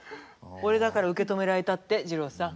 俺だから受け止められたって二朗さん。